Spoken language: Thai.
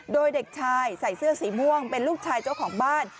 โดยเด็กชายใส่เสื้อสีม่วงเป็นลูกชายเจ้าของบ้าน